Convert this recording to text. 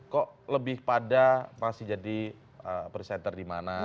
kok lebih pada masih jadi presenter di mana